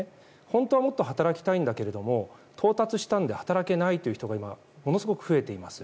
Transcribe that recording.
本当はもっと働きたいけど到達したから働けないという人が今、ものすごく増えています。